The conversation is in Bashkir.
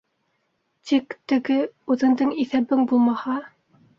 - Тик теге... үҙеңдең иҫәбең булмаһа...